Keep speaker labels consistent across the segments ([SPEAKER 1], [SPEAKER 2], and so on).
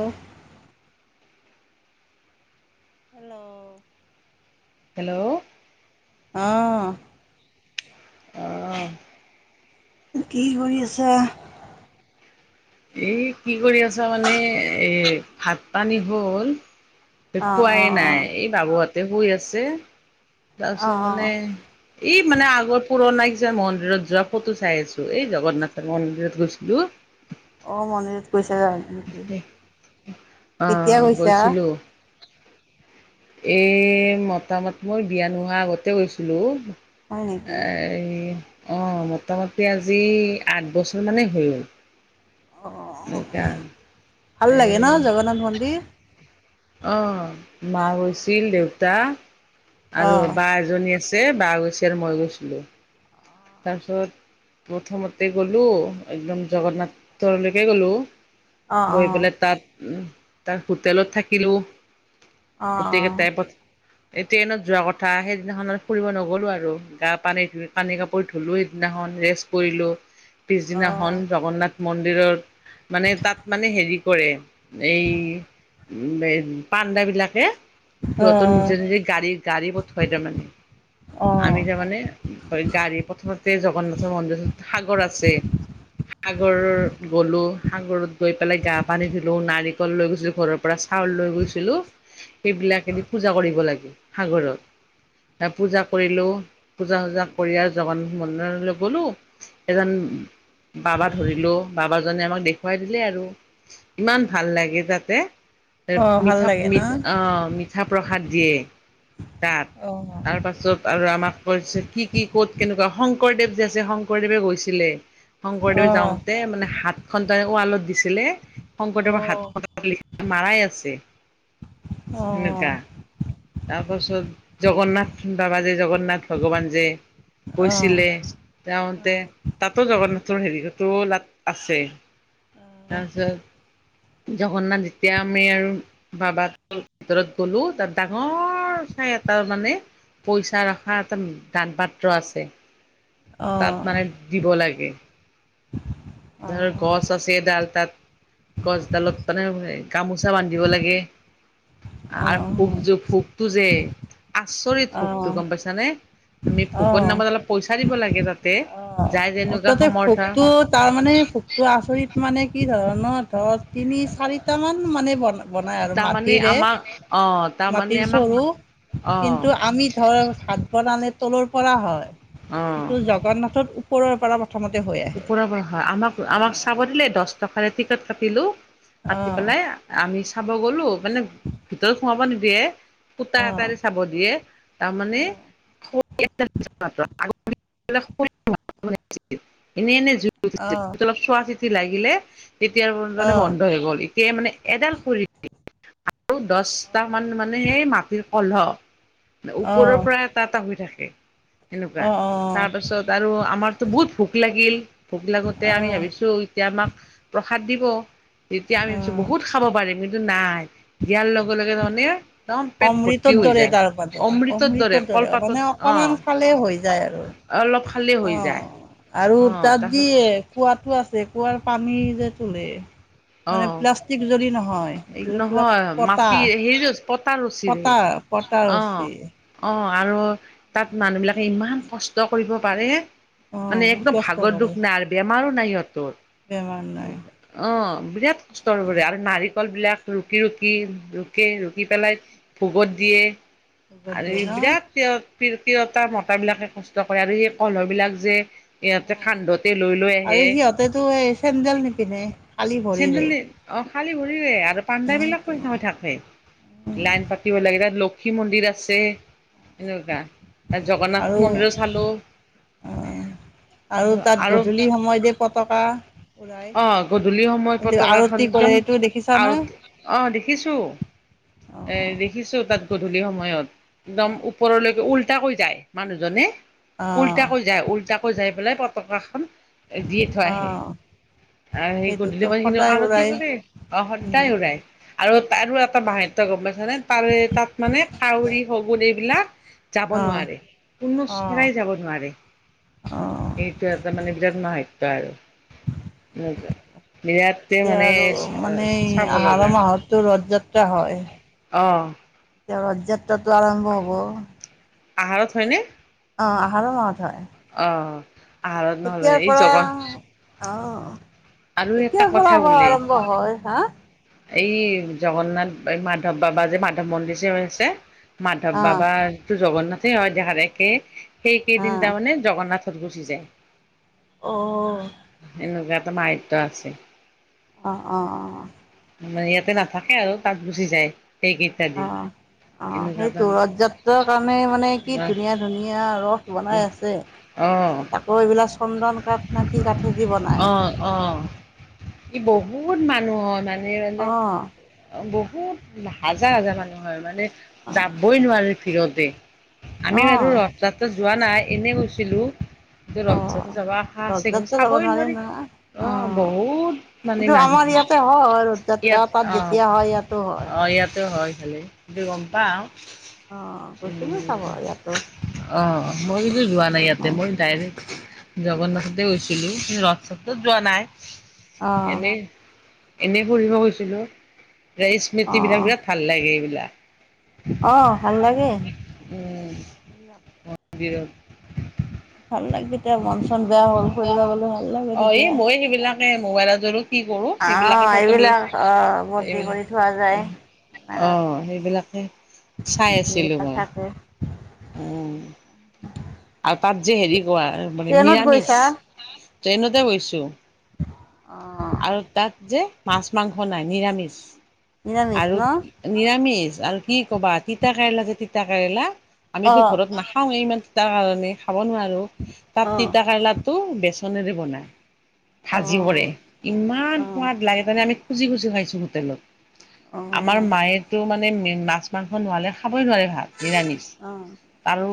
[SPEAKER 1] আহ hello
[SPEAKER 2] hello
[SPEAKER 1] অঁ
[SPEAKER 2] অঁ
[SPEAKER 1] কি কৰি আছ
[SPEAKER 2] এ কি কৰি আছা মানে এ ভাত পানী হ'ল
[SPEAKER 1] অ'
[SPEAKER 2] খোৱাই
[SPEAKER 1] অ'
[SPEAKER 2] নাই এই বাবহতে শুই আছে তাৰপিছত
[SPEAKER 1] অ' অ'
[SPEAKER 2] মানে
[SPEAKER 1] অ'
[SPEAKER 2] এই মানে আগৰ পুৰণা কিছ মন্দিৰত যোৱা ফটো চাই আছো এই জগন্নাথৰ মন্দিৰত গৈছিলো
[SPEAKER 1] অ মন্দিৰত কৈছা য নেকি কেতিয়া কৈছা
[SPEAKER 2] এ মতামত মই বিয়া নোহোৱা আগতে গৈছিলো
[SPEAKER 1] হয় নেকি?
[SPEAKER 2] এ অ মোটামুটি আজি আঠ বছৰ মানেই হৈ গ'ল
[SPEAKER 1] আহ
[SPEAKER 2] এতিয়া
[SPEAKER 1] ভাল লাগে ন জগন্নাথ মন্দিৰ
[SPEAKER 2] অ মা হৈৈছিল দেউতা আৰু
[SPEAKER 1] অ'
[SPEAKER 2] বা এজনী আছিল ব গছ আৰু মই গৈছিলো তাৰপিছত প্ৰথমতে গ'লো একদম জগন্নাথৰলৈকে গ'লো
[SPEAKER 1] অ'
[SPEAKER 2] গৈ
[SPEAKER 1] অ'
[SPEAKER 2] পেলাই তাত উ তাত হোটেলত থাকিলো
[SPEAKER 1] অ' অ'
[SPEAKER 2] প্ৰতকে তাই পাত এই ট্ৰেইনত যোৱা কথা সেইদিনাখন ফুৰিব নগ'লো আৰু গা পানী পানী কাপ থলো সেইদিনাখন ৰেষ্ট কৰিলো
[SPEAKER 1] অ'
[SPEAKER 2] পিছদিনাখন জগন্নাথ মন্দিৰত মানে তাত মানে হেৰি কৰে এই উ পাণ্দা বিলাকে সিহতো
[SPEAKER 1] অ'
[SPEAKER 2] নিজে নিজে গাড়ীৰ গাড়ী বথ হয় ন মানে
[SPEAKER 1] অ'
[SPEAKER 2] আমি তাৰমানে গাড়ী প্ৰথমতে জগন্নাথৰ মন্দিৰ সাগৰ আছে সাগৰত গলো সাগৰত গৈ পেলাই গা পানী ধিলো নাৰিকল লৈ গৈছো ঘৰৰ পৰা চাউল ল পূজা কৰিব লাগে কৰিলোঁ পূজা চূজা কৰি আৰু জগান মন্দিৰলৈ গলো এজন বাবা ধৰিলো বাবাজনে আমাক দেখুৱাই দিলে আৰু ইমান ভাল লাগে যাতে
[SPEAKER 1] অ' ভাল
[SPEAKER 2] মিঠা
[SPEAKER 1] লাগে ন?
[SPEAKER 2] আহ মিঠা প্ৰসাদ দিয়ে তাত
[SPEAKER 1] অ'
[SPEAKER 2] তাৰ পাছত আৰু আমাক কৈছে কি কি ক'ত কেনেকুৱা শংকৰদেৱ যে আছে শংকৰদেৱে গৈছিলে শংকৰদেৱ
[SPEAKER 1] অ'
[SPEAKER 2] যাওঁতে মানে হাত খ ত ৱালত দিছিলে
[SPEAKER 1] অ'
[SPEAKER 2] শংকৰদেৱৰ
[SPEAKER 1] অ'
[SPEAKER 2] হাত ল মাৰাই আছে
[SPEAKER 1] অঁ
[SPEAKER 2] সেনেকুৱা তাৰপাছত জগন্নাথ বাবা যে জগন্নাথ ভগৱান যে
[SPEAKER 1] অ' অ'
[SPEAKER 2] কৈছিলে তেতে তাতো যাব জগন্নাথৰ হেৰিতো লাত আছে তাৰপিছত জঘন্নাথ যেতিয়া আমি আৰু বাবা ভিতৰত গ'লো তাৰপিছ ডাঙৰ চাই এটা মানে পইচা ৰখা এটা দান পাত্ৰ আছে তাত
[SPEAKER 1] অ'
[SPEAKER 2] মানে দিব লাগে ধৰ গছ আছে ডাল তাত গছডালত মানে গামোচা বান্ধিব লাগে আৰু ফুক যে ফুকটো যে আচৰিত
[SPEAKER 1] অ'
[SPEAKER 2] ভোকটো গম পাইছা নে আমি
[SPEAKER 1] অ'
[SPEAKER 2] ভোকৰ
[SPEAKER 1] অ'
[SPEAKER 2] নামত অলপ পইচা দিব লাগে তাতে যাই
[SPEAKER 1] অ',
[SPEAKER 2] যেনেকুৱা
[SPEAKER 1] তাতে
[SPEAKER 2] সমৰ্থ
[SPEAKER 1] ভোকটো তাৰ মানে ভোকটো আচৰিত মানে কি ধৰণৰ ধৰ তিনি চাৰিটা মান মানে বনাই বনাই আৰু
[SPEAKER 2] তাৰমানে
[SPEAKER 1] মাটিৰে
[SPEAKER 2] আমাক অ তাৰমানে
[SPEAKER 1] মাটিৰ
[SPEAKER 2] আমাক
[SPEAKER 1] চৰু
[SPEAKER 2] অ
[SPEAKER 1] কিন্তু আমি ধৰ নানে তলৰ পৰা হয় কিন্তু জগন্নাথৰ ওপৰৰ পৰা প্ৰথমতে হৈ আহে
[SPEAKER 2] ওপৰ পৰা হয় আমাক
[SPEAKER 1] অ
[SPEAKER 2] আমাক চাব দিলে দহ টকাৰে টিকট কাটিলো
[SPEAKER 1] অ
[SPEAKER 2] কাতি পেলাই আমি চাব গলো মানে ভিতৰত সোমাব নিদিয়ে ফুতা
[SPEAKER 1] অ
[SPEAKER 2] এটাৰে চাব দিয়ে তাৰ মানে এনে এনে জুই
[SPEAKER 1] অ অ
[SPEAKER 2] উঠিছিল অলপ চোৱা চিতি লাগিলে তেতিয়াৰ
[SPEAKER 1] অ
[SPEAKER 2] মানে বন্ধ হৈ গ'ল এতিয়া মানে এডাল খৰি আৰু দহটা মান মানে সেই মাটিৰ কলহ
[SPEAKER 1] অ
[SPEAKER 2] ওপৰৰ পৰা এটা এটা হৈ থাকে সেনেকুৱা
[SPEAKER 1] অ
[SPEAKER 2] তাৰপাছত আৰু আমাৰতো বহুত ভোক ভোক লাগিল ভোক লাগোতে
[SPEAKER 1] অ
[SPEAKER 2] আমি ভাবিছো এতিয়া আমাক প্ৰসাদ দিব তেতিয়া আমি
[SPEAKER 1] অ
[SPEAKER 2] বহুত খাব পাৰিম কিন্তু নাই দিয়াৰ লগে লগে তাৰ মানে একদম পেট ভৰ্তি
[SPEAKER 1] অমৃতৰ
[SPEAKER 2] হৈ
[SPEAKER 1] দৰে তাৰ মানে
[SPEAKER 2] যায় অমৃতৰ দৰে কলপাতত
[SPEAKER 1] মানে অকমান খালে হৈ যায় আৰু
[SPEAKER 2] অ', অলপ খালেই হৈ যায়
[SPEAKER 1] অ' আৰু
[SPEAKER 2] অঁ
[SPEAKER 1] তাত যিয়ে
[SPEAKER 2] তাৰপিছত
[SPEAKER 1] কুঁৱাতো আছে কুঁৱাৰ পানী যে তোলে মানে
[SPEAKER 2] অঁ
[SPEAKER 1] প্লাষ্টিক যদি নহয় এইগিল বিলাক
[SPEAKER 2] নহয়
[SPEAKER 1] পটা
[SPEAKER 2] মাটি হেৰি পতা ৰছীৰে
[SPEAKER 1] পতাৰ পতাৰ
[SPEAKER 2] অঁ
[SPEAKER 1] ৰচি
[SPEAKER 2] অঁ আৰু তাত মানুহ বিলাকে ইমান কষ্ট কৰিব পাৰে মানে
[SPEAKER 1] অ' বহুত
[SPEAKER 2] একদম
[SPEAKER 1] কষ্ট
[SPEAKER 2] ভাগৰ দুখ
[SPEAKER 1] কৰে
[SPEAKER 2] নাই বেমাৰো নাই সিহঁতৰ
[SPEAKER 1] বেমাৰ নাই
[SPEAKER 2] উ অ' বিৰাট কষ্ট কৰে আৰু নাৰিকল বিলাক ৰুকি ৰুকি ৰুকে ৰুকি পেলাই ভোগত দিয়ে
[SPEAKER 1] ৰ'দত
[SPEAKER 2] আৰু
[SPEAKER 1] দিয়ে ন
[SPEAKER 2] বিৰাট তেওঁ তিৰোতা মতাবিলাকে কষ্ট কৰে আৰু সেই কলহ বিলাক যে ইহতে
[SPEAKER 1] অ'
[SPEAKER 2] কান্ধতে লৈ লৈ
[SPEAKER 1] আৰু
[SPEAKER 2] আহে
[SPEAKER 1] সিহঁতেতো এই চেন্দেল নিপিন্ধে খালী ভৰিৰে
[SPEAKER 2] চেডেল অ', খালী ভৰিৰে আৰু পাণ্ডা বিলাকো হেৰি হৈ থাকে লাইন পাটিব লাগে তাত লক্ষী মন্দিৰ আছে এনেকুৱা জগন্নাথ
[SPEAKER 1] আৰু
[SPEAKER 2] মন্দিৰো চালো
[SPEAKER 1] আৰু তাত
[SPEAKER 2] আৰু
[SPEAKER 1] গধূলি সময় যে পতকা উৰাই
[SPEAKER 2] অ' গধূলি সময়
[SPEAKER 1] এইটো
[SPEAKER 2] পতাকাখন
[SPEAKER 1] আৰতি কৰে
[SPEAKER 2] একদম
[SPEAKER 1] এইটো
[SPEAKER 2] আৰু
[SPEAKER 1] দেখিছানে
[SPEAKER 2] অ', দেখিছোঁ এ
[SPEAKER 1] অ'
[SPEAKER 2] দেখিছো তাত গধূলি সময়ত একদম ওপৰলৈকে উল্টা কৈ যায় মানুহজনে
[SPEAKER 1] অ'
[SPEAKER 2] উল্টাকৈ যায় উল্টাকৈ যাই পেলাই পতাকখন দিয়ে থৈ
[SPEAKER 1] অ'
[SPEAKER 2] আহে
[SPEAKER 1] অ'
[SPEAKER 2] আৰু সেই গধূলি
[SPEAKER 1] সেইটোতো
[SPEAKER 2] মান কিন্তু
[SPEAKER 1] সদায়
[SPEAKER 2] আৰতি
[SPEAKER 1] উৰাই
[SPEAKER 2] কৰে অ'
[SPEAKER 1] উম,
[SPEAKER 2] সদায় উৰাই আৰু আৰু এটা মাহাত্ত গম পাইছনে তাৰে তাত মানে কাউৰী শগুন এইবিলাক যাব
[SPEAKER 1] অ'
[SPEAKER 2] নোৱাৰে কোনো
[SPEAKER 1] অ'
[SPEAKER 2] চৰাই যাব নোৱাৰে
[SPEAKER 1] অ'
[SPEAKER 2] সেইটো এটা মানে বিৰাট মাহাত্য আৰু বিৰাট
[SPEAKER 1] এতিয়া
[SPEAKER 2] মানে
[SPEAKER 1] আৰু মানে
[SPEAKER 2] চাব
[SPEAKER 1] আহাৰ
[SPEAKER 2] লগা
[SPEAKER 1] মাহতো ৰথযাত্ৰা
[SPEAKER 2] অ
[SPEAKER 1] হয় ৰথযাত্ৰাটো আৰম্ভ হব
[SPEAKER 2] আহাৰত হয়নে
[SPEAKER 1] অ', আহাৰৰ মাহত হয়
[SPEAKER 2] অ', আহাৰত নহলে
[SPEAKER 1] কেতিয়াৰ
[SPEAKER 2] এই
[SPEAKER 1] পৰা
[SPEAKER 2] জগ
[SPEAKER 1] অ' কেতিয়া হয় আকৌ
[SPEAKER 2] বোলে
[SPEAKER 1] আৰম্ভ হয় হাঁ
[SPEAKER 2] এই জগন্নাথ এই মাধৱ বাবা যে মাধৱ মন্দিৰ যে হৈছে মাধৱ
[SPEAKER 1] অ'
[SPEAKER 2] বাবাটো জগন্নাথে হয় দেখাত একে সেই কেইদিন
[SPEAKER 1] অ'
[SPEAKER 2] তাৰমানে জগন্নাথ সদ গুচি যায়
[SPEAKER 1] অ'
[SPEAKER 2] এনেকুৱা এটা মায়িত্ব আছে
[SPEAKER 1] অ অ অ
[SPEAKER 2] ানে ইয়াতে নাথাকে আৰু তাত গুচি যায় সেইক ইত্যাদিন
[SPEAKER 1] অ' অ সেইটো ৰথ যাত্ৰাৰ কাৰণে মানে কি
[SPEAKER 2] এটা
[SPEAKER 1] ধুনীয়া ধুনীয়া ৰস বনাই আছে
[SPEAKER 2] অ',
[SPEAKER 1] আকৌ এইবিলাক চন্দন কাঠ নাকি কাঠেদি বনায়
[SPEAKER 2] অ', অ', ই বহুত মানুহ মানে
[SPEAKER 1] অ
[SPEAKER 2] বহুত হাজাৰ হাজাৰ মানুহ হয় মানে
[SPEAKER 1] অ'
[SPEAKER 2] যাবই নোৱাৰে ফিৰতে আমি বাৰু
[SPEAKER 1] অ',
[SPEAKER 2] ৰস্তাতো যোৱা নাই এনেই কৈছিলো কিন্তু ৰজটো
[SPEAKER 1] অ',
[SPEAKER 2] যাব আশা
[SPEAKER 1] ৰথ
[SPEAKER 2] আছে কিন্তু
[SPEAKER 1] যাত্ৰা যাব
[SPEAKER 2] চাবই
[SPEAKER 1] নোৱাৰিম
[SPEAKER 2] নোৱাৰি
[SPEAKER 1] নহয়,
[SPEAKER 2] অ বহুত মানে
[SPEAKER 1] কিন্তু আমাৰ
[SPEAKER 2] মানুহ
[SPEAKER 1] ইয়াতে হয় ৰথ যাত্ৰা
[SPEAKER 2] ইয়াত
[SPEAKER 1] তাত
[SPEAKER 2] অ
[SPEAKER 1] যেতিয়া হয় ইয়াতো হয়
[SPEAKER 2] ভাল দুই গম পা অ
[SPEAKER 1] অ গুচিলো চাব ইয়াতো
[SPEAKER 2] অ মই কিন্তু যোৱা নাই ইয়াতে
[SPEAKER 1] অ',
[SPEAKER 2] মই ডাইৰেক্ট জগন্নাথতে গৈছিলো কি ৰথসত্ৰত যোৱা নাই এনেই এনে কৰিবঢ গৈছিলো স্মৃতি বিলাক
[SPEAKER 1] অ',
[SPEAKER 2] বিৰাট ভাল লাগে এইবিলাক
[SPEAKER 1] অ ভাল লাগে
[SPEAKER 2] উম মন্দিৰত
[SPEAKER 1] ভাল লাগ তেতিয়া মন চন বেয়া হ'ল ফুৰিব গলে ভাল লাগে
[SPEAKER 2] অ এই
[SPEAKER 1] তেতিয়া
[SPEAKER 2] মই সেইবিলাকে মোবাইলত কি কৰো
[SPEAKER 1] অ',
[SPEAKER 2] সেইবিলাকে মি
[SPEAKER 1] এইবিলাক অ', বন্দী কৰি থোৱা যায়
[SPEAKER 2] এইবিলাক অ
[SPEAKER 1] কেমেৰাত।
[SPEAKER 2] সেইবিলাক চাই আছিলোঁ মই
[SPEAKER 1] থাকে,
[SPEAKER 2] অ আৰু তাত যে হেৰি কোৱা মানে
[SPEAKER 1] ট্ৰেইনত
[SPEAKER 2] নিৰামিষ
[SPEAKER 1] গৈছা?
[SPEAKER 2] ট্ৰেইনতে গৈছো
[SPEAKER 1] অ',
[SPEAKER 2] আৰু তাত যে মাছ মাংস নাই নিৰামিষ
[SPEAKER 1] নিৰামিষ
[SPEAKER 2] আৰু
[SPEAKER 1] ন?
[SPEAKER 2] নিৰামিষ আৰু কি কবা তিতা কেৰেলা যে তিতা কেৰেলা আমিতো
[SPEAKER 1] অ',
[SPEAKER 2] ঘৰত নাখাওৱে ইমান তিতা কাৰণে খাব নোৱাৰো তাত
[SPEAKER 1] অ',
[SPEAKER 2] তিতা কেৰেলাটো বে বেৰে বন ভাজি
[SPEAKER 1] অ',
[SPEAKER 2] ইমান
[SPEAKER 1] অ'।
[SPEAKER 2] সোৱাদ লাগে তে আমি খুজি খুজি খাইছো হোটেলত আমাৰ
[SPEAKER 1] অ',
[SPEAKER 2] মায়েতো মানে মাছ মাংস নহাললে খাব চাবই নোৱাৰে ভাত নিৰামিচ
[SPEAKER 1] অ',
[SPEAKER 2] আৰু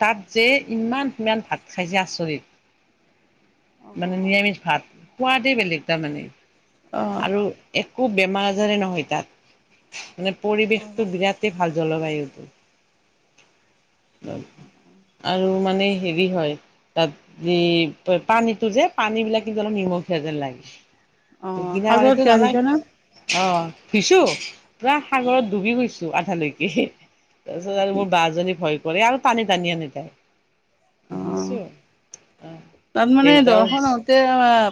[SPEAKER 2] তাত যে ইমান সিমান ভাত খাই যে আচৰিত মানে
[SPEAKER 1] অ',
[SPEAKER 2] নিৰামিষ ভাত সোৱাদেই বেলেগ তাৰমানে
[SPEAKER 1] অ',
[SPEAKER 2] আৰু খুব বেমাৰ আজাৰে নহয় তাত মানে পৰিৱেশতটো
[SPEAKER 1] অ',
[SPEAKER 2] বিৰাটেই ভাল জলবায়ুতো আৰু মানে হেৰি হয় তাত পানীতটো যে পানী বিিলাক কিন্তু অলপ নিমখীয়া যেন
[SPEAKER 1] অ',
[SPEAKER 2] লাগে না
[SPEAKER 1] সাগৰত
[SPEAKER 2] মানিতো
[SPEAKER 1] বিয়া দিছে
[SPEAKER 2] নালাগ
[SPEAKER 1] না?
[SPEAKER 2] অ ধুইছো পুৰা সাগৰত ডুবি গৈছো আধালৈকে
[SPEAKER 1] হয়
[SPEAKER 2] তাৰপিছত
[SPEAKER 1] নেকি?
[SPEAKER 2] মোৰ বাজনী ভয় কৰে আৰু টানি টানি আনে তাই
[SPEAKER 1] অ
[SPEAKER 2] ধুইছো অ
[SPEAKER 1] তাত মানে দৰ্শন
[SPEAKER 2] দেউতাও
[SPEAKER 1] হতে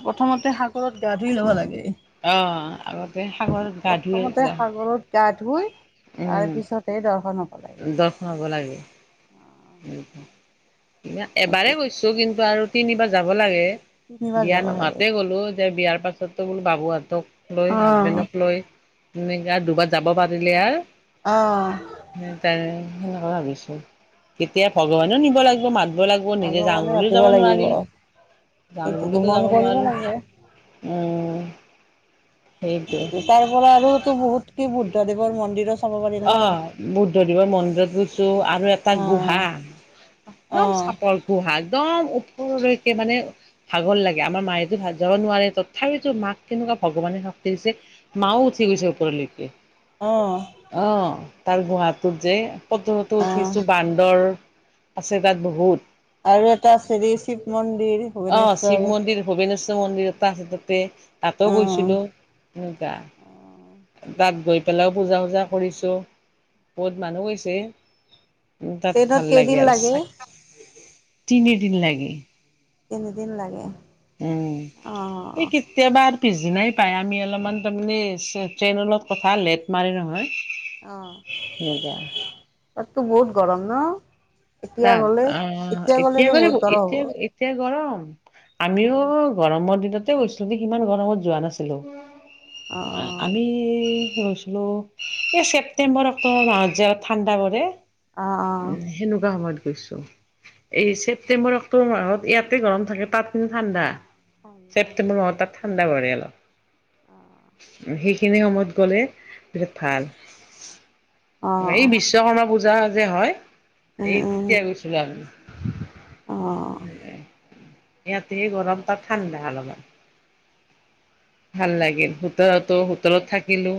[SPEAKER 1] প্ৰথমতে সাগৰত গা ধুই লব লাগে
[SPEAKER 2] অ আগত
[SPEAKER 1] প্ৰথমতে সাগৰত গা ধুই তাৰ পিছতে দৰ্শন লাগে।
[SPEAKER 2] দৰ্শন হব লাগে এবাৰেই
[SPEAKER 1] সেইটোৱেতো
[SPEAKER 2] গৈছো কিন্তু আৰু তিনিবাৰ যাব লাগে
[SPEAKER 1] তিনিবাৰ
[SPEAKER 2] বিয়া
[SPEAKER 1] যাব লাগে।
[SPEAKER 2] নোহাতে গ'লো যে বিয়াৰ পাছতো বোলো বাবু হতক লৈ
[SPEAKER 1] অ',
[SPEAKER 2] হাজবেণ্ডক লৈ এনে আৰু দুবাৰ যাব পাৰিলে আৰু
[SPEAKER 1] অ',
[SPEAKER 2] তাই সেনেকুৱা ভাবিছো কেতিয়া ভগৱানেও নিব লাগিব মাতব লাগিব নিজে
[SPEAKER 1] সাগৰ
[SPEAKER 2] যাওঁ
[SPEAKER 1] মানে
[SPEAKER 2] বুলিও
[SPEAKER 1] মাতিব
[SPEAKER 2] যাব
[SPEAKER 1] লাগিব।
[SPEAKER 2] নোৱাৰি যাও
[SPEAKER 1] এইটোতো
[SPEAKER 2] বলেওতো
[SPEAKER 1] মন
[SPEAKER 2] যাব
[SPEAKER 1] কৰিব
[SPEAKER 2] নোৱাৰো
[SPEAKER 1] লাগে।
[SPEAKER 2] উম সেইটো।
[SPEAKER 1] তাৰ পৰা আৰুতো বহুত কি, বুদ্ধ দেৱৰ মন্দিৰ আছে।
[SPEAKER 2] অ' বুদ্ধদেৱৰ মন্দিৰত গৈছো আৰু এটা গুহা
[SPEAKER 1] অ',
[SPEAKER 2] একদম
[SPEAKER 1] অ',
[SPEAKER 2] চাপৰ গুহা একদম ওপৰলৈকে মানে ভাগৰ লাগে। আমাৰ মায়েতো যাব নোৱাৰে, তথাপিতো মাক কেনেকুৱা ভগৱানে শক্তি দিছে, মাও উঠি গৈছে ওপৰলৈকে।
[SPEAKER 1] অ',
[SPEAKER 2] অ' তাৰ গুহাটোত যে ফটো টোটো
[SPEAKER 1] অ',
[SPEAKER 2] উঠিছো, বান্দৰ আছে তাত বহুত।
[SPEAKER 1] আৰু এটা আছে হেৰি শিৱ মন্দিৰ।
[SPEAKER 2] অ'
[SPEAKER 1] ভূৱনেশ্বৰ
[SPEAKER 2] শিৱ মন্দিৰ, ভূৱনেশ্বৰ মন্দিৰ এটা আছে তাতে তাতো
[SPEAKER 1] অ',
[SPEAKER 2] গৈছিলো সেনেকা তাত গৈ পেলাইও, পূজা-সূজা কৰিছো বহুত মানুহ গৈছে। তাত
[SPEAKER 1] ট্ৰেইনত
[SPEAKER 2] ভাল লাগে
[SPEAKER 1] কেইদিন
[SPEAKER 2] আৰু চাই তিনিদিন লাগে।
[SPEAKER 1] তিনি দিন লাগে।
[SPEAKER 2] উম এই
[SPEAKER 1] অ',
[SPEAKER 2] কেতিয়াবা আৰু পিছদিনাই পায়, আমি অলপমান তাৰমানে ট্ৰেইনৰ লগত কথা লেট মাৰে নহয়।
[SPEAKER 1] অহ
[SPEAKER 2] সেনেকুৱা।
[SPEAKER 1] তাততো বহুত গৰম ন' এতিয়া
[SPEAKER 2] তাত
[SPEAKER 1] গ'লে,
[SPEAKER 2] অ'
[SPEAKER 1] এতিয়া গ'লেতো
[SPEAKER 2] গ'লে
[SPEAKER 1] বহুত গৰম
[SPEAKER 2] এতিয়া
[SPEAKER 1] হ'ব।
[SPEAKER 2] এতিয়া গৰম। আমিও
[SPEAKER 1] অ',
[SPEAKER 2] গৰমৰ দিনতে গৈছিলো যদিও সিমান গৰমত যোৱা নাছিলো।
[SPEAKER 1] অ',
[SPEAKER 2] আমি। গৈছিলো এই ছেপ্টেম্বৰ, অক্টোবৰ মাহত যে আৰু ঠাণ্ডা পৰে।
[SPEAKER 1] অ' অহ।
[SPEAKER 2] উম, সেনেকুৱা সময়ত গৈছো এই ছেপ্টেম্বৰ, অক্টোবৰ মাহত ইয়াতে গৰম থাকে, তাত কিন্তু ঠাণ্ডা।
[SPEAKER 1] ঠাণ্ডা
[SPEAKER 2] ছেপ্তেম্বৰ মাহত তাত ঠাণ্ডা পৰে
[SPEAKER 1] অ',
[SPEAKER 2] অলপ। সেইখিনি সময়ত গ'লে বিৰাট ভাল। এই
[SPEAKER 1] অ',
[SPEAKER 2] বিশ্বকৰ্মা পূজা যে হয়,
[SPEAKER 1] উম,
[SPEAKER 2] এই
[SPEAKER 1] উম,
[SPEAKER 2] তেতিয়া গৈছিলো আমি
[SPEAKER 1] অ'।
[SPEAKER 2] ইয়াতে
[SPEAKER 1] ঠিকে
[SPEAKER 2] গৰম তাত
[SPEAKER 1] আছে।
[SPEAKER 2] ঠাণ্ডা অলপমান। ভাল লাগিল হোটেলতো, হোটেলত থাকিলো।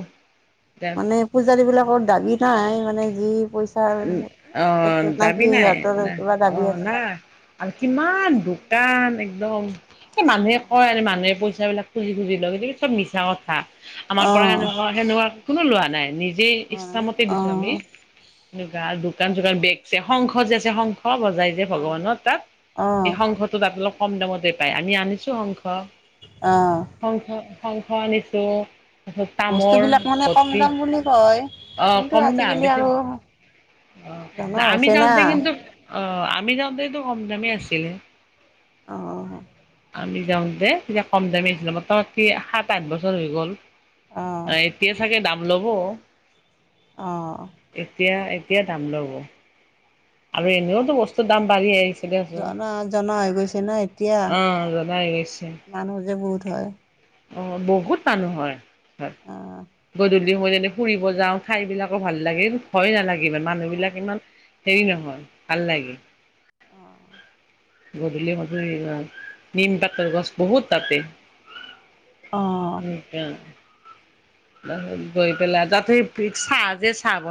[SPEAKER 1] মানে পূজাৰী বিলাকৰ দাবী নাই মানে যি পইচাৰ
[SPEAKER 2] উম অহ
[SPEAKER 1] সেইটো নাকি
[SPEAKER 2] দাবি নাই
[SPEAKER 1] সিহঁতৰ
[SPEAKER 2] ন
[SPEAKER 1] কিবা দাবী
[SPEAKER 2] অহ
[SPEAKER 1] আছে।
[SPEAKER 2] না। আৰু কিমান দোকান এক একদম মানুহে কয়
[SPEAKER 1] অ',
[SPEAKER 2] আৰু মানুহে পইচাবিলাক খুজি, খুজি লয় কিন্ত চব মিছা কথা। আমাৰ পৰা
[SPEAKER 1] অ',
[SPEAKER 2] সেনেকুৱা, তেনেকুৱা কোনো লোৱা নাই। নিজে ইচ্ছামতে দিছো আমি
[SPEAKER 1] অ',
[SPEAKER 2] দোকান-চোকান বেগ যে আছে শঙ্খ যে আছে শঙ্খ। শঙ্খ বজাই যে ভগৱানৰ তাত, এই শংখটো তাত অলপ কম দামতে পায়, আমি আনিছো শঙ্খ।
[SPEAKER 1] অ',
[SPEAKER 2] শঙ্খ-শঙ্খ আনিছো। তামৰ
[SPEAKER 1] বস্তুবিলাক মানে কম
[SPEAKER 2] ভেটি
[SPEAKER 1] দাম বুলি কয়
[SPEAKER 2] অ'
[SPEAKER 1] কিন্তু
[SPEAKER 2] কম না
[SPEAKER 1] আজিকালি
[SPEAKER 2] বেছি
[SPEAKER 1] আৰু জনা
[SPEAKER 2] অ' আমি
[SPEAKER 1] হৈছে না
[SPEAKER 2] যাওঁতে কিন্তু অ' আমি যাওঁতে কিন্তু কম দামেই আছিল।
[SPEAKER 1] অ'।
[SPEAKER 2] আমি যাওঁতে তেতিয়া কম দামী আছিল, মোটামুটি সাত, আঠ বছৰ হৈ গ'ল।
[SPEAKER 1] অ',
[SPEAKER 2] এতিয়া চাগে দাম ল'ব।
[SPEAKER 1] অ'।
[SPEAKER 2] এতিয়া, এতিয়া দাম লব আৰু এনেওতো বস্তুৰ দাম বাঢ়ি আহিছে। দিয়াচোন
[SPEAKER 1] জনা জনা হৈ গৈছে ন এতিয়া
[SPEAKER 2] অ জনা হৈ গৈছে
[SPEAKER 1] মানুহ যে বহুত হয়।
[SPEAKER 2] অ' বহুত মানুহ হয়, হয়।
[SPEAKER 1] অ',
[SPEAKER 2] গধূলি সময়ত এনে ফুৰিব যাওঁ, ঠাইবিলাকো ভাল লাগে, ভয় নালাগে ইমান মানুহবিলাক ইমান হেৰি নহয় ভাল লাগে।
[SPEAKER 1] অহ।
[SPEAKER 2] গধূলি মানুহে নিম পাতৰ গছ বহুত তাতে
[SPEAKER 1] অ',
[SPEAKER 2] অহ। গৈ পেলাই তা চাহ যে চাহ ব।